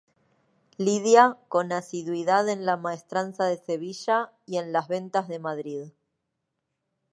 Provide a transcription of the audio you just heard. Lidia con asiduidad en la Maestranza de Sevilla y en Las Ventas de Madrid.